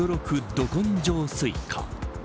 ど根性スイカ。